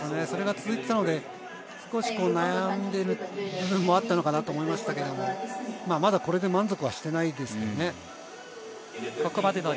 それが続いていたので、少し悩んでいる部分もあったのかなと思いましたけど、まだこれで満足していないですからね。